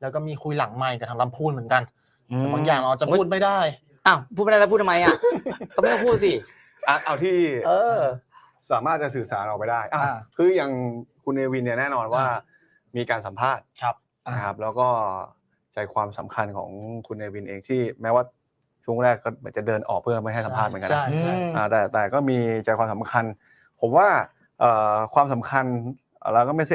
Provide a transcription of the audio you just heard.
แล้วก็มีคุยหลังไมค์กับทางลำพูดเหมือนกันแต่บางอย่างเราจะพูดไม่ได้อ้าวพูดไม่ได้แล้วพูดทำไมอ่ะก็ไม่ได้พูดสิเอาที่สามารถจะสื่อสารเราไม่ได้คืออย่างคุณเนวินเนี่ยแน่นอนว่ามีการสัมภาษณ์นะครับแล้วก็ใจความสำคัญของคุณเนวินเองที่แม้ว่าช่วงแรกก็เหมือนจะเดินออกเพื่อไม่ให้สัมภาษณ์เหมือนกันผมว่าความสำคัญเราก็ไม่ส